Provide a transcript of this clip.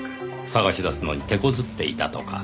捜し出すのに手こずっていたとか。